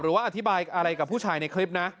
หรือว่าอธิบายอะไรกับผู้ชายในคลิปนะ